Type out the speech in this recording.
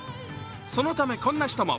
そのため、こんな人も。